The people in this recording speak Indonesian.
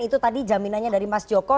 itu tadi jaminannya dari mas joko